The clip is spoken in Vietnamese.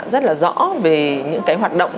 rất là rõ về những hoạt động